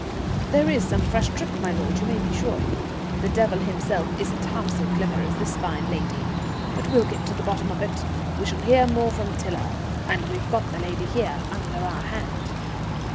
"There is some fresh trick, my lord, you may be sure. The devil himself isn't half so clever as this fine lady. But we'll get at the bottom of it. We shall hear more from Tiler, and we've got the lady here, under our hand."